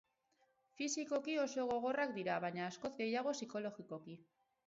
Fisikoki oso gogorrak dira baina askoz gehiago psikologikoki.